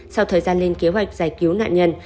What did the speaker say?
sau thời gian lên kế hoạch giải cứu nạn nhân